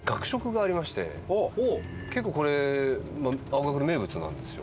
結構これ青学の名物なんですよ